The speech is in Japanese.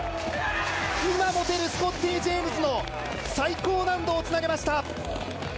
今持てるスコッティ・ジェームズの最高難度をつなげました。